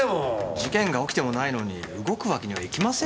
事件が起きてもないのに動くわけにはいきませんよ。